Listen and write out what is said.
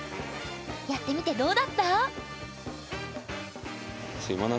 やってみてどうだった？